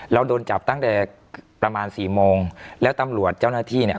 เราโดนจับตั้งแต่ประมาณสี่โมงแล้วตำรวจเจ้าหน้าที่เนี่ย